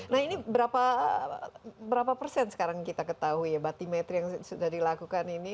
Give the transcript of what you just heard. nah ini berapa persen sekarang kita ketahui ya batimetri yang sudah dilakukan ini